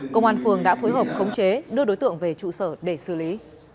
công an phường đã phối hợp khống chế đưa đối tượng về trụ sở để xử lý